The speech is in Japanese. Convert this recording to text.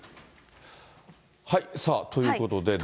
さあ、ということで、でも。